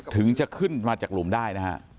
ถึงจะขึ้นมาจากหลุมได้นะฮะ